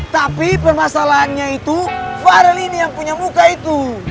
tapi pemasalahannya itu varel ini yang punya muka itu